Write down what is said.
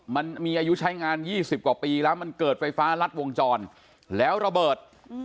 มันมีอายุใช้งาน๒๐กว่าปีแล้วมันเกิดไฟฟ้ารัดวงจรแล้วระเบิด